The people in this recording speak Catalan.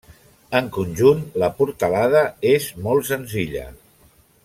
En conjunt la portalada és molt senzilla.